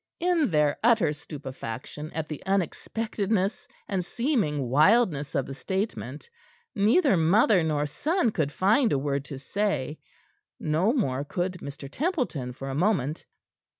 In their utter stupefaction at the unexpectedness and seeming wildness of the statement, neither mother nor son could find a word to say. No more could Mr. Templeton for a moment.